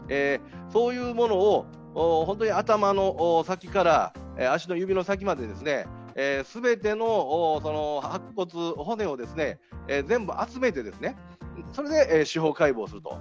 そういうものを頭の先から足の指の先まで全ての白骨、骨を全部集めて、それで司法解剖すると。